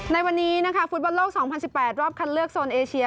ในวันนี้นะคะฟุตบอลโลก๒๐๑๘รอบคัดเลือกโซนเอเชีย